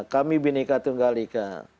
kami bhinneka tunggal ika